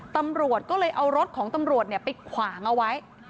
ตำรวจก็เลยเอารถของตำรวจไปขวางเอาไว้